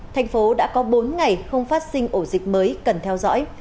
thành phố đã có bốn ngày không phát sinh ổ dịch mới cần theo dõi